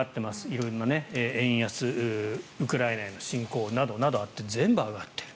色んな円安ウクライナへの侵攻などなどがあって全部上がっている。